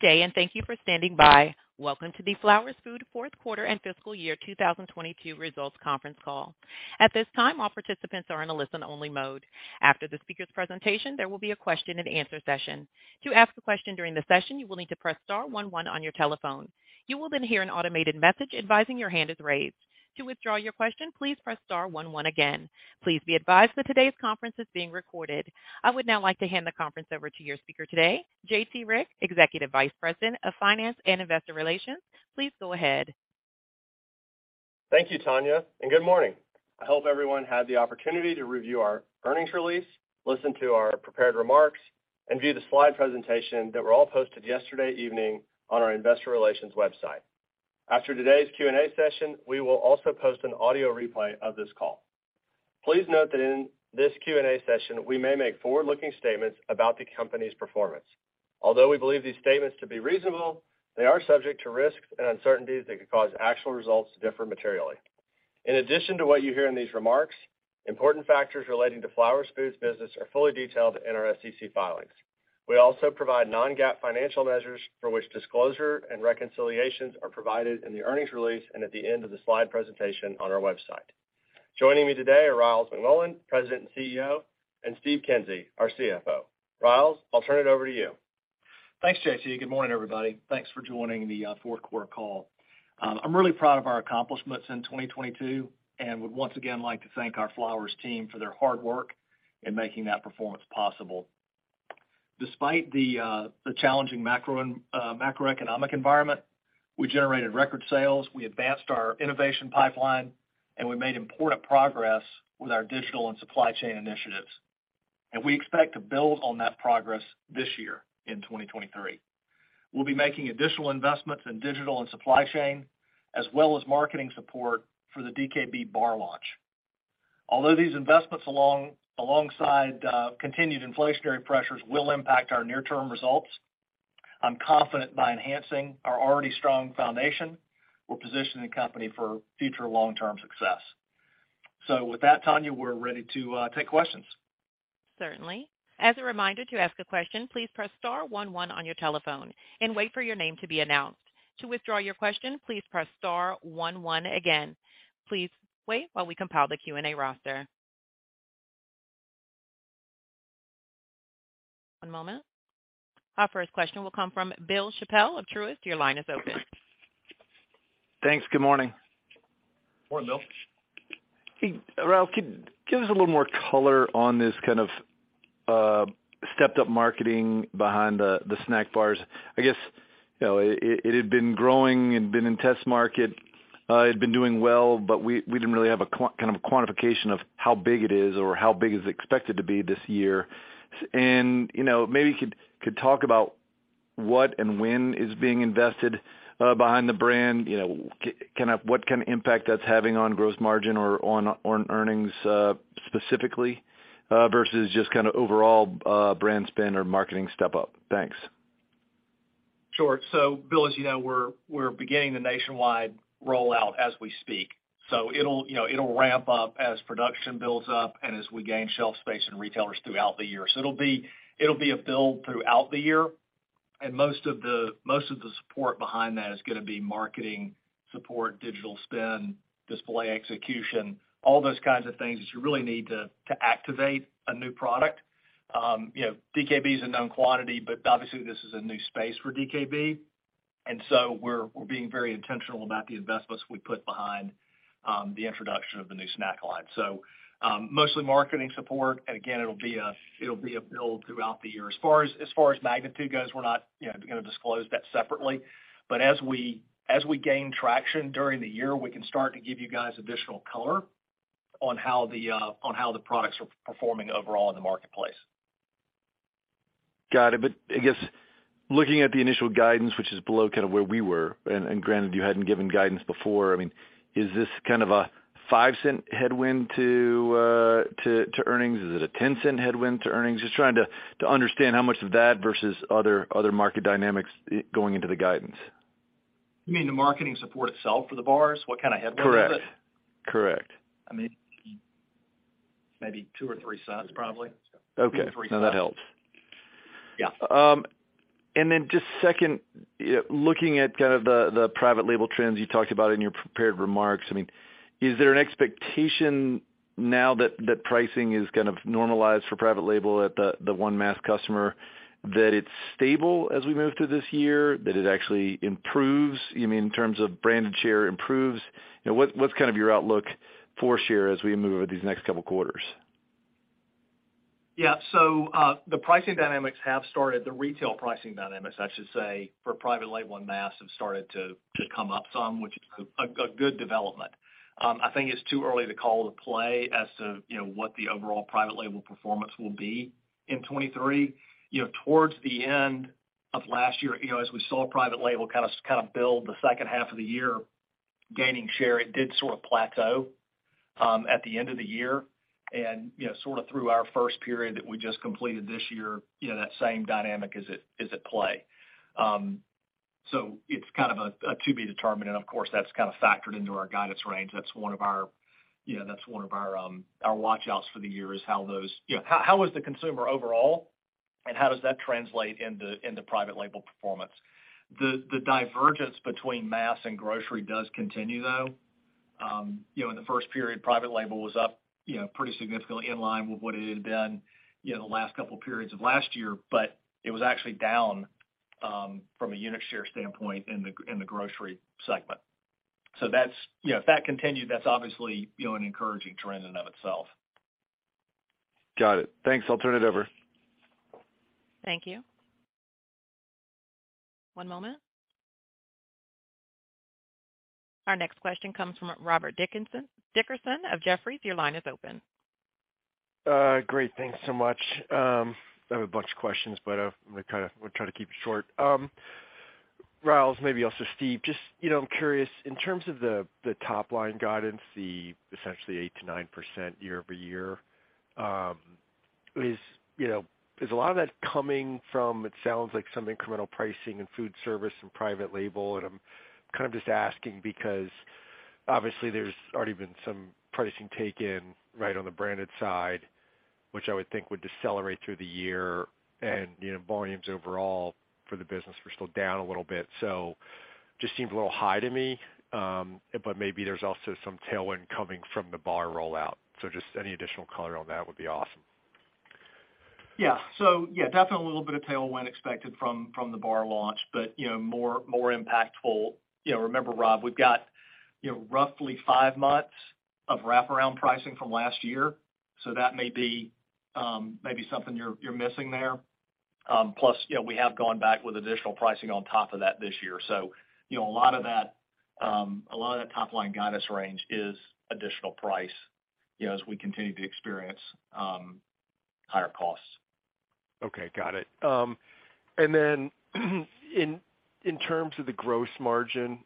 Good day, and thank you for standing by. Welcome to the Flowers Foods Q4 and fiscal year 2022 results Conference Call. At this time, all participants are in a listen only mode. After the speaker's presentation, there will be a question-and-answer session. To ask a question during the session, you will need to press star 11 on your telephone. You will then hear an automated message advising your hand is raised. To withdraw your question, please press star 11 again. Please be advised that today's conference is being recorded. I would now like to hand the conference over to your speaker today, J.T. Rieck, Executive Vice President of Finance and Investor Relations. Please go ahead. Thank you, Tanya. Good morning. I hope everyone had the opportunity to review our earnings release, listen to our prepared remarks, and view the slide presentation that were all posted yesterday evening on our investor relations website. After today's Q&A session, we will also post an audio replay of this call. Please note that in this Q&A session, we may make forward-looking statements about the company's performance. Although we believe these statements to be reasonable, they are subject to risks and uncertainties that could cause actual results to differ materially. In addition to what you hear in these remarks, important factors relating to Flowers Foods business are fully detailed in our SEC filings. We also provide non-GAAP financial measures for which disclosure and reconciliations are provided in the earnings release and at the end of the slide presentation on our website. Joining me today are Ryals McMullian, President and CEO, and Steve Kinsey, our CFO. Riles, I'll turn it over to you. Thanks, J.T. Rieck. Good morning, everybody. Thanks for joining the Q4 call. I'm really proud of our accomplishments in 2022 and would once again like to thank our Flowers team for their hard work in making that performance possible. Despite the challenging macro macroeconomic environment, we generated record sales, we advanced our innovation pipeline, and we made important progress with our digital and supply chain initiatives. We expect to build on that progress this year in 2023. We'll be making additional investments in digital and supply chain, as well as marketing support for the DKB bar launch. Although these investments alongside continued inflationary pressures will impact our near-term results, I'm confident by enhancing our already strong foundation, we're positioning the company for future long-term success. With that, Tanya, we're ready to take questions. Certainly. As a reminder, to ask a question, please press star one one on your telephone and wait for your name to be announced. To withdraw your question, please press star one one again. Please wait while we compile the Q&A roster. One moment. Our first question will come from Bill Chappell of Truist. Your line is open. Thanks. Good morning. Morning, Bill. Hey, Ryals, can you give us a little more color on this stepped-up marketing behind the snack bars? I guess, you know, it had been growing, it had been in test market, it had been doing well, but we didn't really have a a quantification of how big it is or how big it's expected to be this year. You know, maybe you could talk about what and when is being invested behind the brand, you know, what impact that's having on gross margin or on earnings specifically versus just overall brand spend or marketing step up. Thanks. Sure. Bill, as you know, we're beginning the nationwide rollout as we speak. It'll, you know, it'll ramp up as production builds up and as we gain shelf space and retailers throughout the year. It'll be a build throughout the year. Most of the support behind that is gonna be marketing support, digital spend, display execution, all those kinds of things that you really need to activate a new product. You know, DKB is a known quantity, but obviously this is a new space for DKB. We're being very intentional about the investments we put behind the introduction of the new snack line. Mostly marketing support. Again, it'll be a build throughout the year. As far as magnitude goes, we're not, you know, gonna disclose that separately. As we gain traction during the year, we can start to give you guys additional color on how the products are performing overall in the marketplace. Got it. I guess looking at the initial guidance, which is below where we were, and granted you hadn't given guidance before, I mean, is this a $0.05 headwind to earnings? Is it a $0.10 headwind to earnings? Just trying to understand how much of that versus other market dynamics going into the guidance. You mean the marketing support itself for the bars? What headwind is it? Correct. Correct. I mean, maybe two or three cents probably. Okay. No, that helps. Yeah. Just second, looking at the private label trends you talked about in your prepared remarks. I mean, is there an expectation now that pricing is ormalized for private label at the one mass customer, that it's stable as we move through this year, that it actually improves, you mean, in terms of branded share improves? You know, what's your outlook for share as we move over these next couple quarters? The pricing dynamics have started, the retail pricing dynamics, I should say, for private label one mass have started to come up some, which is a good development. I think it's too early to call the play as to, you know, what the overall private label performance will be in 23. You know, towards the end of last year, you know, as we saw private label build the second half of the year gaining share, it did sort of plateau at the end of the year. Through our first period that we just completed this year, you know, that same dynamic is at play. It's a to-be-determined, and of course, that's kinda factored into our guidance range. That's one of our, you know, that's one of our watch outs for the year is how those... You know, how is the consumer overall, and how does that translate into private label performance? The divergence between mass and grocery does continue, though. You know, in the first period, private label was up, you know, pretty significantly in line with what it had been, you know, the last couple periods of last year. It was actually down, from a unit share standpoint in the grocery segment. That's, you know, if that continued, that's obviously, you know, an encouraging trend in and of itself. Got it. Thanks. I'll turn it over. Thank you. One moment. Our next question comes from Robert Dickerson of Jefferies. Your line is open. Great. Thanks so much. I have a bunch of questions, but I'm gonna kinda try to keep it short. Ryals, maybe also Steve, just, I'm curious, in terms of the top line guidance, the essentially 8%-9% year-over-year, is a lot of that coming from, it sounds like some incremental pricing in food service and private label. I'm just asking because obviously there's already been some pricing take in right on the branded side, which I would think would decelerate through the year. Volumes overall for the business were still down a little bit, so just seems a little high to me. Maybe there's also some tailwind coming from the bar rollout. Just any additional color on that would be awesome. Yeah, definitely a little bit of tailwind expected from the bar launch. You know, more impactful. You know, remember Rob, we've got, you know, roughly five months of wraparound pricing from last year. That may be something you're missing there. Plus, you know, we have gone back with additional pricing on top of that this year. You know, a lot of that top line guidance range is additional price, you know, as we continue to experience higher costs. Okay, got it. Then in terms of the gross margin,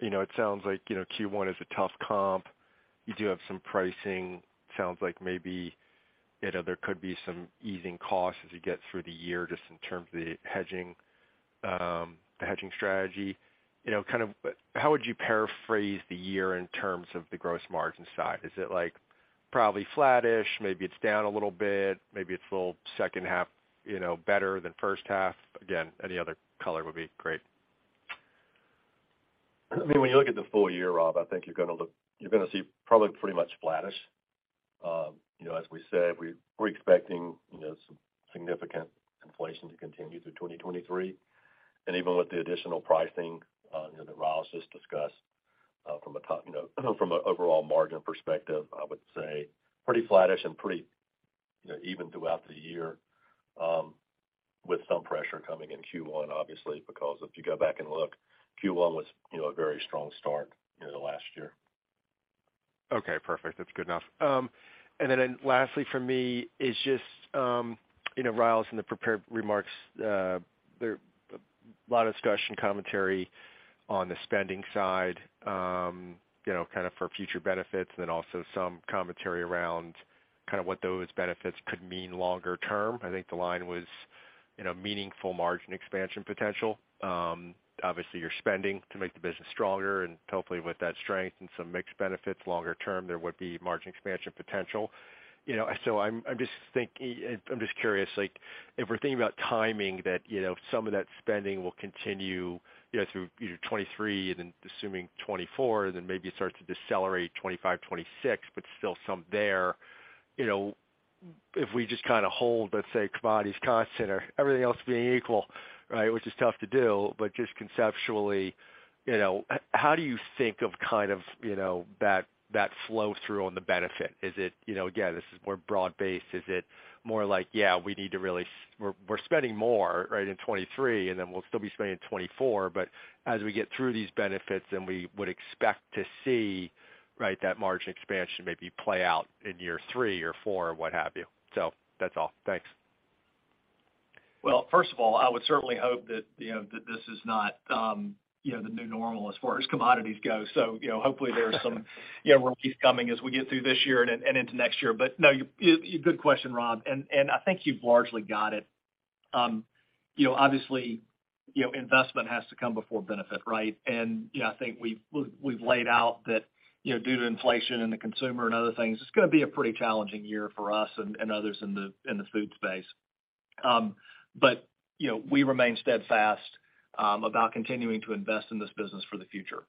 you know, it sounds like, you know, Q1 is a tough comp. You do have some pricing. Sounds like maybe, you know, there could be some easing costs as you get through the year just in terms of the hedging, the hedging strategy. You know, how would you paraphrase the year in terms of the gross margin side? Is it, like, probably flattish, maybe it's down a little bit, maybe it's a little second half, you know, better than first half? Again, any other color would be great. I mean, when you look at the full year, Rob, I think you're gonna you're gonna see probably pretty much flattish. you know, as we said, we're expecting, you know, some significant inflation to continue through 2023. Even with the additional pricing, you know, that Ryals just discussed, from a top, you know, from an overall margin perspective, I would say pretty flattish and pretty, you know, even throughout the year, with some pressure coming in Q1, obviously, because if you go back and look, Q1 was, you know, a very strong start, you know, the last year. Okay, perfect. That's good enough. Lastly for me is just, you know, Riles, in the prepared remarks, there a lot of discussion, commentary on the spending side, you know, for future benefits and then also some commentary around what those benefits could mean longer term. I think the line was, you know, meaningful margin expansion potential. Obviously you're spending to make the business stronger and hopefully with that strength and some mixed benefits longer term, there would be margin expansion potential. You know, I'm just curious, like if we're thinking about timing that, you know, some of that spending will continue, you know, through either 2023 and then assuming 2024 and then maybe it starts to decelerate 2025, 2026, but still some there. You know, if we just kinda hold, let's say commodities constant or everything else being equal, right? Which is tough to do, but just conceptually, you know, how do you think of kind of, you know, that flow through on the benefit? Is it, you know, again, this is more broad-based. Is it more like, yeah, we need to really We're spending more, right, in 2023 and then we'll still be spending in 2024, but as we get through these benefits then we would expect to see, right, that margin expansion maybe play out in year three or four or what have you. That's all. Thanks. First of all, I would certainly hope that, you know, that this is not, you know, the new normal as far as commodities go. Hopefully, you know, relief coming as we get through this year and into next year. No, good question, Rob, and I think you've largely got it. You know, obviously, you know, investment has to come before benefit, right? I think we've laid out that, you know, due to inflation and the consumer and other things, it's gonna be a pretty challenging year for us and others in the food space. We remain steadfast about continuing to invest in this business for the future.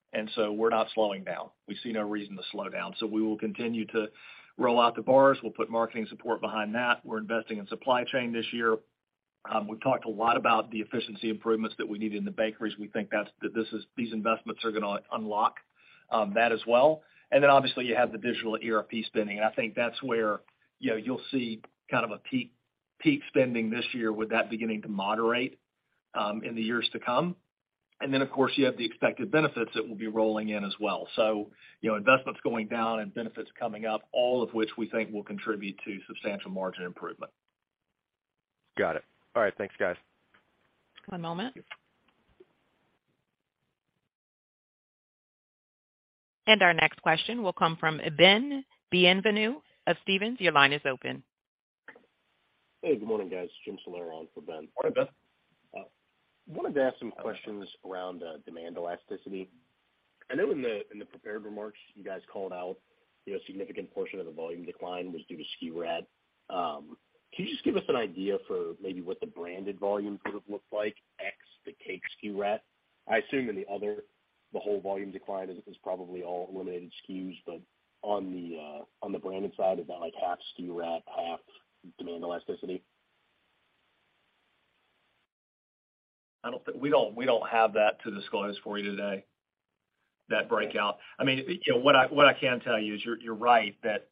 We're not slowing down. We see no reason to slow down. We will continue to roll out the bars. We'll put marketing support behind that. We're investing in supply chain this year. We've talked a lot about the efficiency improvements that we need in the bakeries. We think these investments are gonna unlock that as well. Obviously you have the digital ERP spending, and I think that's where, you know, you'll see a peak spending this year with that beginning to moderate in the years to come. Of course you have the expected benefits that will be rolling in as well. You know, investments going down and benefits coming up, all of which we think will contribute to substantial margin improvement. Got it. All right, thanks guys. One moment. Our next question will come from Ben Bienvenu of Stephens. Your line is open. Hey, good morning, guys. Jim Salera on for Ben. Morning, Ben. Wanted to ask some questions around demand elasticity. I know in the, in the prepared remarks, you guys called out, you know, a significant portion of the volume decline was due to SKU rationalization. Can you just give us an idea for maybe what the branded volume sort of looked like ex the cake SKU rationalization? I assume in the other, the whole volume decline is probably all eliminated SKUs, but on the branded side, is that like half SKU rationalization, half demand elasticity? We don't have that to disclose for you today, that breakout. I mean, you know, what I can tell you is you're right that,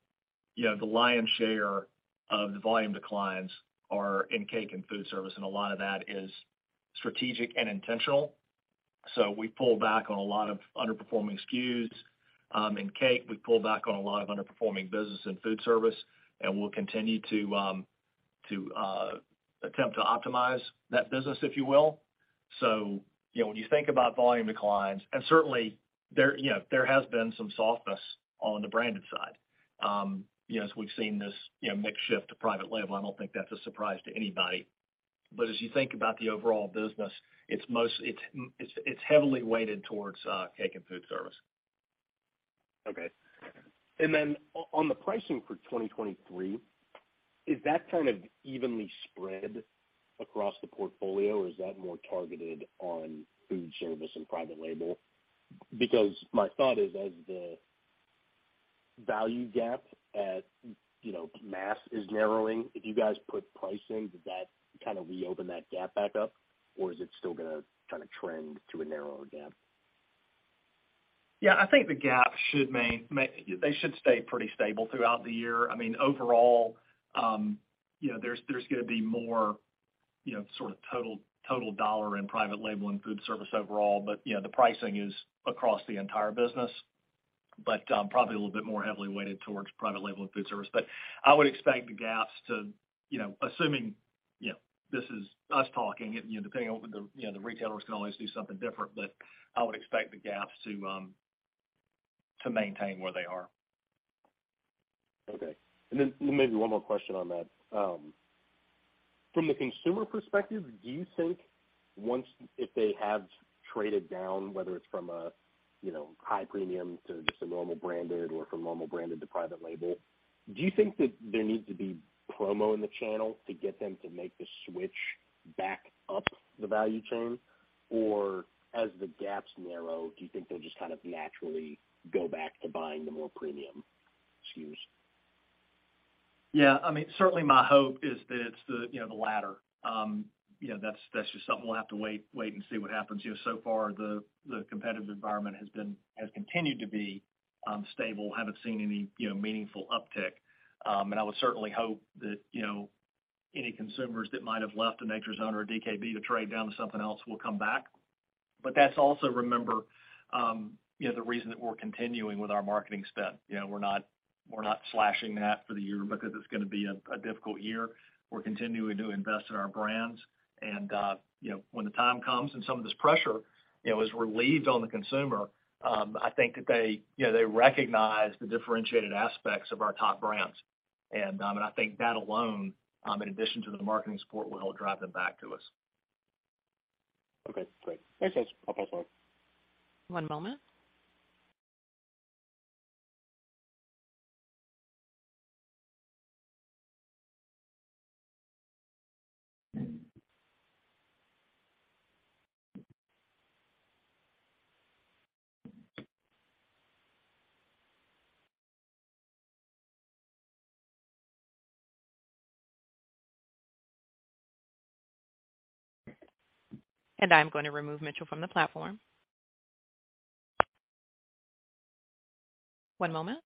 you know, the lion's share of the volume declines are in cake and food service, and a lot of that is strategic and intentional. We pulled back on a lot of underperforming SKUs in cake. We pulled back on a lot of underperforming business in food service, and we'll continue to attempt to optimize that business, if you will. You know, when you think about volume declines, and certainly there, you know, there has been some softness on the branded side, you know, as we've seen this, you know, mix shift to private label, and I don't think that's a surprise to anybody. As you think about the overall business, it's heavily weighted towards cake and food service. Okay. On the pricing for 2023, is that evenly spread across the portfolio, or is that more targeted on food service and private label? My thought is, as the value gap at, you know, mass is narrowing, if you guys put pricing, does that reopen that gap back up, or is it still gonna trend to a narrower gap? I think They should stay pretty stable throughout the year. I mean, overall, you know, there's gonna be more, you know, sort of total dollar in private label and food service overall, but, you know, the pricing is across the entire business, but, probably a little bit more heavily weighted towards private label and food service. I would expect the gaps to, you know, assuming, you know, this is us talking and, you know, depending on what the, you know, the retailers can always do something different, but I would expect the gaps to maintain where they are. Okay. Maybe one more question on that. From the consumer perspective, do you think if they have traded down, whether it's from a, you know, high premium to just a normal branded or from normal branded to private label, do you think that there needs to be promo in the channel to get them to make the switch back up the value chain? As the gaps narrow, do you think they'll just naturally go back to buying the more premium SKUs? Yeah, I mean, certainly my hope is that it's the, you know, the latter. You know, that's just something we'll have to wait and see what happens. You know, so far the competitive environment has continued to be stable. Haven't seen any, you know, meaningful uptick. I would certainly hope that, you know, any consumers that might have left a Nature's Own or a DKB to trade down to something else will come back. That's also, remember, you know, the reason that we're continuing with our marketing spend. You know, we're not slashing that for the year because it's gonna be a difficult year. We're continuing to invest in our brands, you know, when the time comes and some of this pressure, you know, is relieved on the consumer, I think that they, you know, they recognize the differentiated aspects of our top brands. I think that alone, in addition to the marketing support will help drive them back to us. Okay, great. Thanks, guys. Hope I helped. One moment. I'm going to remove Mitchell from the platform. One moment.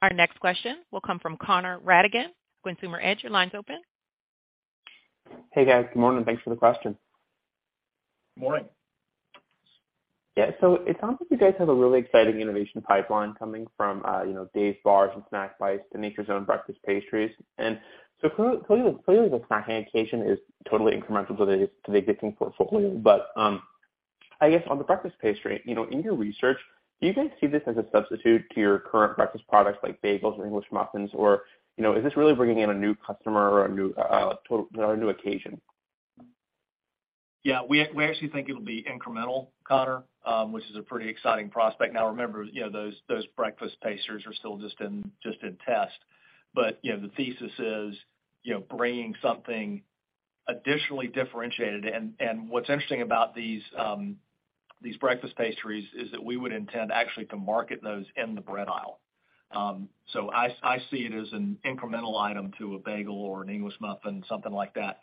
Our next question will come from Connor Rattigan, Consumer Edge, your line's open. Hey, guys. Good morning. Thanks for the question. Morning. Yeah. It sounds like you guys have a really exciting innovation pipeline coming from, you know, Dave's bars and Snack Bites to Nature's Own breakfast pastries. Clearly the snack occasion is totally incremental to the, to the existing portfolio. I guess on the breakfast pastry, you know, in your research, do you guys see this as a substitute to your current breakfast products like bagels or English muffins? You know, is this really bringing in a new customer or a new occasion? Yeah. We actually think it'll be incremental, Connor, which is a pretty exciting prospect. Now, remember, you know, those breakfast pastries are still just in test. You know, the thesis is, you know, bringing something additionally differentiated. What's interesting about these breakfast pastries is that we would intend actually to market those in the bread aisle. I see it as an incremental item to a bagel or an English muffin, something like that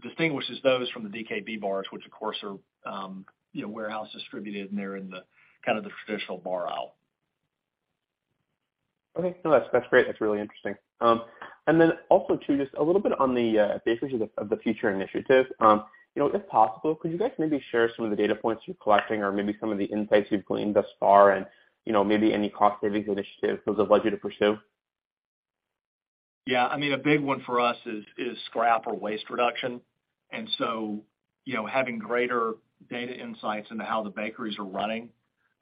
distinguishes those from the DKB bars, which of course are, you know, warehouse distributed, and they're in the the traditional bar aisle. Okay. No, that's great. That's really interesting. Also too, just a little bit on the basics of the, of the future initiatives. You know, if possible, could you guys maybe share some of the data points you're collecting or maybe some of the insights you've gleaned thus far and, you know, maybe any cost savings initiatives those have led you to pursue? Yeah, I mean, a big one for us is scrap or waste reduction. You know, having greater data insights into how the bakeries are running,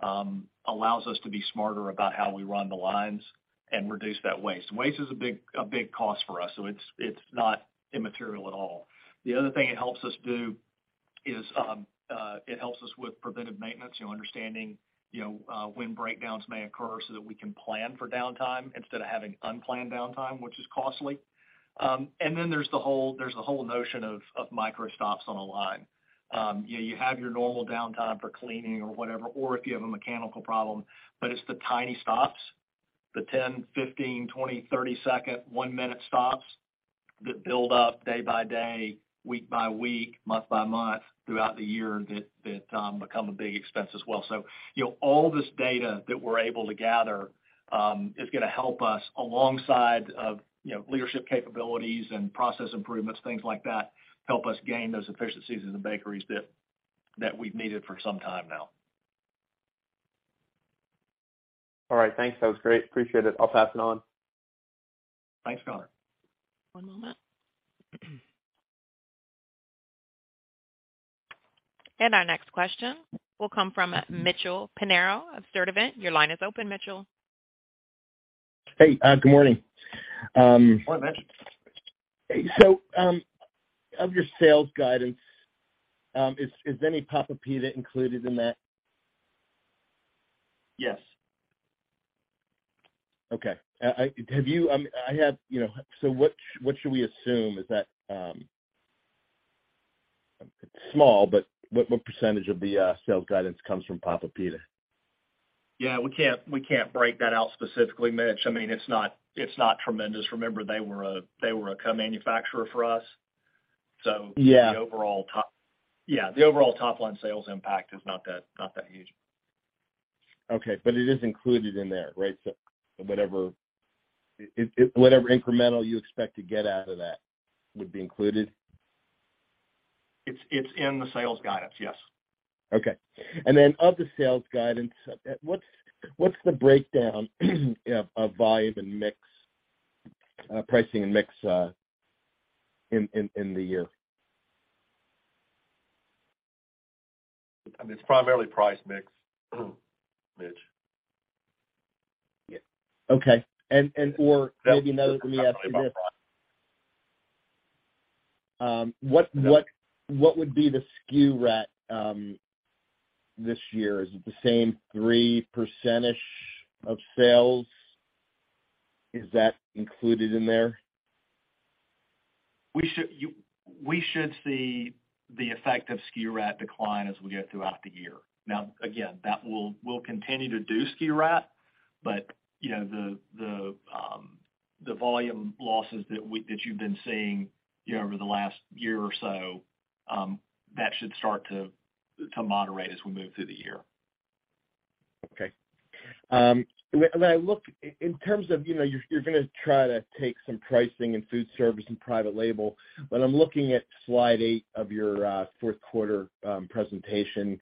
allows us to be smarter about how we run the lines and reduce that waste. Waste is a big cost for us, so it's not immaterial at all. The other thing it helps us do is, it helps us with preventive maintenance, you know, understanding, you know, when breakdowns may occur so that we can plan for downtime instead of having unplanned downtime, which is costly. Then there's the whole notion of micro stops on a line. You have your normal downtime for cleaning or whatever, or if you have a mechanical problem, but it's the tiny stops, the 10, 15, 20, 30-second, 1-minute stops that build up day by day, week by week, month by month, throughout the year, that become a big expense as well. You know, all this data that we're able to gather, is gonna help us alongside of, you know, leadership capabilities and process improvements, things like that, help us gain those efficiencies in the bakeries that we've needed for some time now. All right, thanks. That was great. Appreciate it. I'll pass it on. Thanks, Connor. One moment. Our next question will come from Mitchell Pinheiro of Stifel Nicolaus. Your line is open, Mitchell. Hey, good morning. Morning, Mitch. Of your sales guidance, is any Papa Pita included in that? Yes. Okay. What should we assume is that, it's small, but what % of the sales guidance comes from Papa Pita? Yeah, we can't break that out specifically, Mitch. I mean, it's not tremendous. Remember, they were a co-manufacturer for us. Yeah. The overall top line sales impact is not that huge. Okay, but it is included in there, right? Whatever incremental you expect to get out of that would be included. It's in the sales guidance, yes. Okay. Of the sales guidance, what's the breakdown of volume and mix, pricing and mix, in the year? I mean, it's primarily price mix, Mitch. Yeah. Okay. Maybe another, let me ask you this. What would be the SKU rationalization this year? Is it the same 3% of sales? Is that included in there? We should see the effect of SKU rationalization decline as we get throughout the year. Again, we'll continue to do SKU rationalization, you know, the volume losses that you've been seeing, you know, over the last year or so, that should start to moderate as we move through the year. Okay. When I look in terms of, you know, you're, your gonna try to take some pricing in food service and private label, when I'm looking at slide 8 of your Q4 presentation.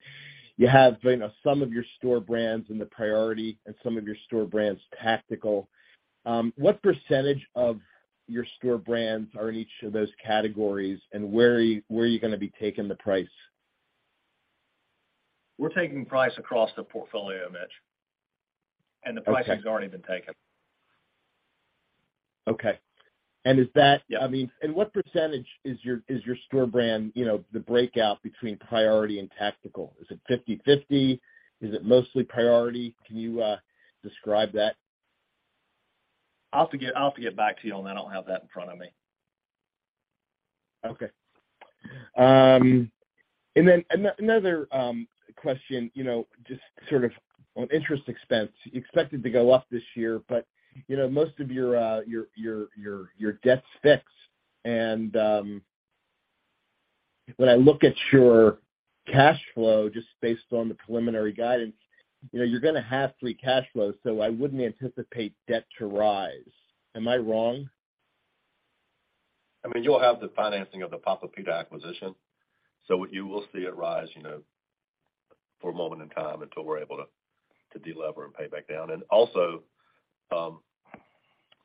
You have, you know, some of your store brands and the priority and some of your store brands tactical. What % of your store brands are in each of those categories, and where are you gonna be taking the price? We're taking price across the portfolio, Mitch. Okay. The price has already been taken. Okay. I mean, what percentage is your, is your store brand, you know, the breakout between priority and tactical? Is it 50/50? Is it mostly priority? Can you describe that? I'll have to get back to you on that. I don't have that in front of me. another question, you know, just sort of on interest expense. You expect it to go up this year, but, you know, most of your debt's fixed. When I look at your cash flow, just based on the preliminary guidance, you know, you're gonna have free cash flow, so I wouldn't anticipate debt to rise. Am I wrong? I mean, you'll have the financing of the Papa Pita acquisition. What you will see it rise, you know, for a moment in time until we're able to delever and pay back down. From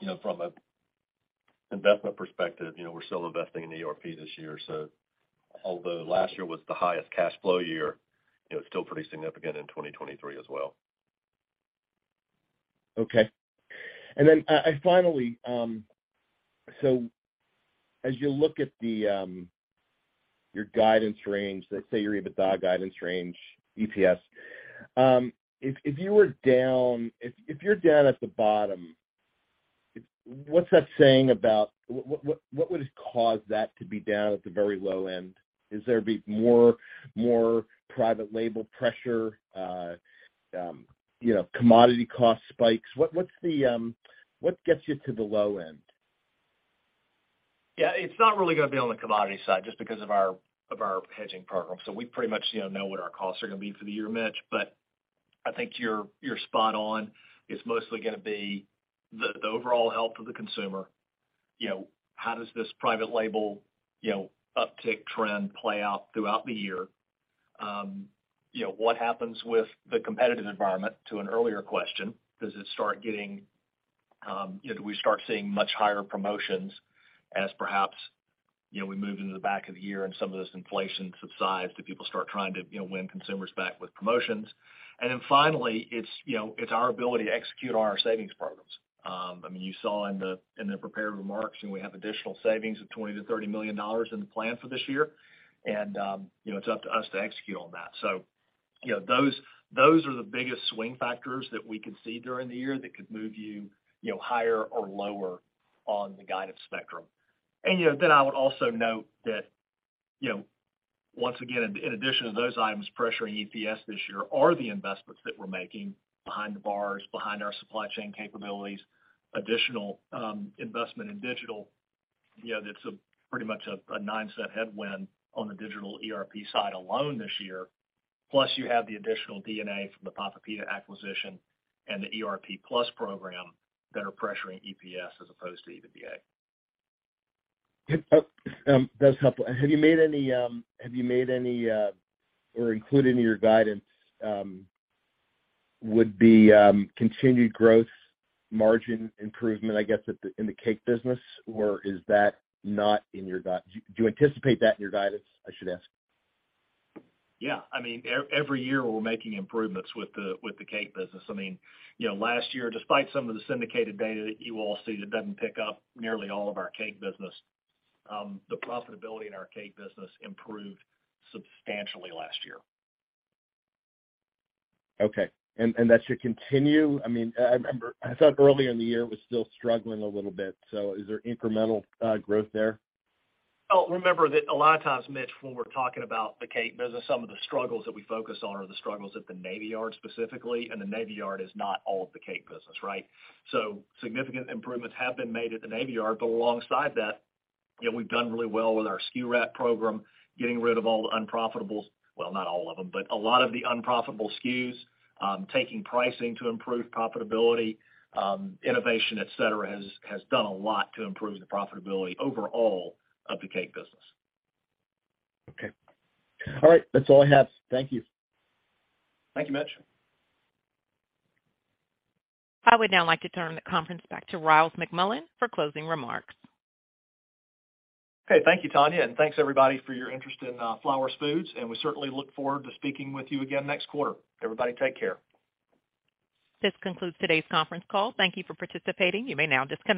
an investment perspective, you know, we're still investing in ERP this year. Although last year was the highest cash flow year, you know, it's still pretty significant in 2023 as well. Okay. Finally, as you look at the, your guidance range, let's say your EBITDA guidance range, EPS, if you were down, if you're down at the bottom, what would cause that to be down at the very low end? Is there be more private label pressure, you know, commodity cost spikes? What gets you to the low end? Yeah, it's not really gonna be on the commodity side just because of our, of our hedging program. We pretty much, you know what our costs are gonna be for the year, Mitch. I think you're spot on. It's mostly gonna be the overall health of the consumer. You know, how does this private label, you know, uptick trend play out throughout the year? You know, what happens with the competitive environment to an earlier question? You know, do we start seeing much higher promotions as perhaps, you know, we move into the back of the year and some of this inflation subsides, do people start trying to, you know, win consumers back with promotions? Finally, it's our ability to execute on our savings programs. I mean, you saw in the prepared remarks, we have additional savings of $20 million to $30 million in the plan for this year. You know, it's up to us to execute on that. You know, those are the biggest swing factors that we could see during the year that could move you know, higher or lower on the guidance spectrum. You know, then I would also note that, you know, once again, in addition to those items pressuring EPS this year are the investments that we're making behind the bars, behind our supply chain capabilities, additional investment in digital. You know, that's pretty much a $0.09 headwind on the digital ERP side alone this year. Plus, you have the additional DNA from the Papa Pita acquisition and the ERP Plus program that are pressuring EPS as opposed to EBITDA. That's helpful. Have you made any or included in your guidance continued growth margin improvement, I guess, in the cake business? Is that not in your guidance? Do you anticipate that in your guidance, I should ask? Yeah. I mean, every year we're making improvements with the, with the cake business. I mean, you know, last year, despite some of the syndicated data that you all see that doesn't pick up nearly all of our cake business, the profitability in our cake business improved substantially last year. Okay. That should continue? I mean, I remember I thought earlier in the year it was still struggling a little bit. Is there incremental growth there? Well, remember that a lot of times, Mitch, when we're talking about the cake business, some of the struggles that we focus on are the struggles at the Navy Yard specifically, and the Navy Yard is not all of the cake business, right? Significant improvements have been made at the Navy Yard. Alongside that, you know, we've done really well with our SKU rat program, getting rid of all the unprofitable well, not all of them, but a lot of the unprofitable SKUs, taking pricing to improve profitability, innovation, et cetera, has done a lot to improve the profitability overall of the cake business. Okay. All right. That's all I have. Thank you. Thank you, Mitch. I would now like to turn the conference back to Ryals McMullian for closing remarks. Okay. Thank you, Tanya. Thanks, everybody, for your interest in Flowers Foods. We certainly look forward to speaking with you again next quarter. Everybody, take care. This concludes today's Conference Call. Thank you for participating. You may now disconnect.